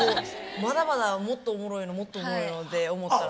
まだまだもっとおもろいのもっとおもろいのって思ってたら。